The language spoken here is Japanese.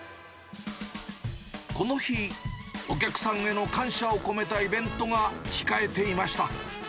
この日、お客さんへの感謝を込めたイベントが控えていました。